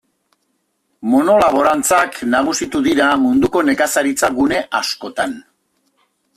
Monolaborantzak nagusitu dira munduko nekazaritza gune askotan.